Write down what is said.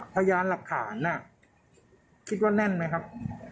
พยานหลักฐานคิดว่าแน่นไหมครับ